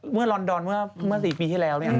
เมื่อลอนดอนเมื่อ๔ปีที่แล้วเนี่ย